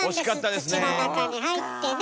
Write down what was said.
土の中に入ってね。